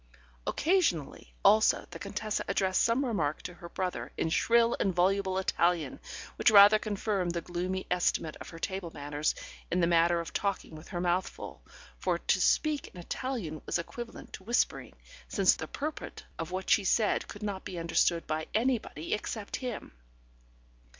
Occasionally, also, the Contessa addressed some remark to her brother in shrill and voluble Italian, which rather confirmed the gloomy estimate of her table manners in the matter of talking with her mouth full, for to speak in Italian was equivalent to whispering, since the purport of what she said could not be understood by anybody except him.